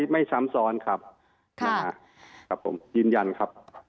ไม่ซ้ำซ้อนครับยืนยันครับ